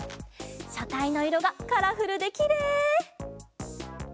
しゃたいのいろがカラフルできれい！